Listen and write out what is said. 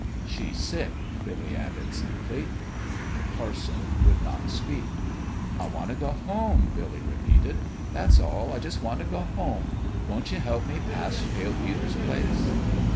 " She's sick," Billy added, simply. The parson would not speak. " I want t' go home," Billy repeated. " That's all. I jus' want t' go home. Won't ye help me past Pale Peter's place